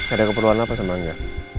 ada keperluan apa sama angga